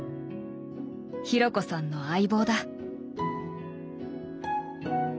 紘子さんの相棒だ。